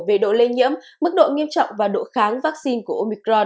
về độ lây nhiễm mức độ nghiêm trọng và độ kháng vaccine của omicron